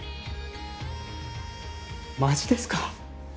マジですか！？